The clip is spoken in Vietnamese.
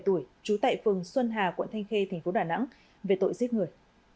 trú tại phường xuân hà quận thanh khê tp đà nẵng về tội giết người